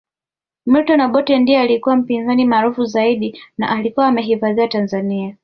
Milton Obote ndiye alikuwa mpinzani maarufu zaidi na alikuwa amehifadhiwa Tanzania